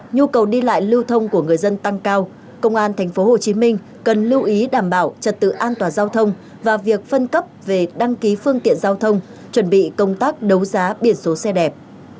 nhu cầu đi lại lưu thông của người dân tăng cao công an tp hcm cần lưu ý đảm bảo trật tự an toàn giao thông và việc phân cấp về đăng ký phương tiện giao thông chuẩn bị công tác đấu giá biển số xe đẹp